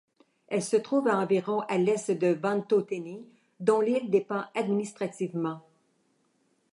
Elle se trouve à environ à l'est de Ventotene dont l'île dépend administrativement.